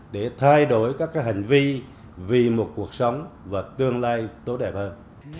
để thay đổi các hành vi vì một cuộc sống và tương lai tốt đẹp hơn